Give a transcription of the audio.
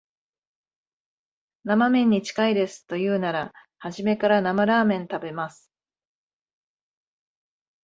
生めんに近いですと言うなら、初めから生ラーメン食べます